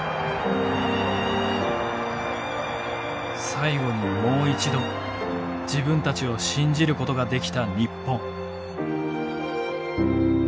最後にもう一度自分たちを信じることができた日本。